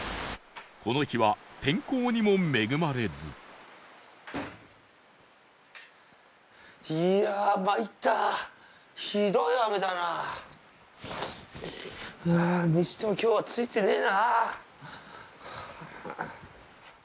この日は天候にも恵まれずいやーまいったうわーにしても今日はツイてねえな